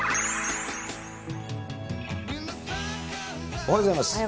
おはようございます。